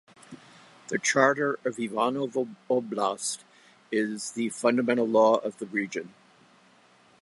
The Charter of Ivanovo Oblast is the fundamental law of the region.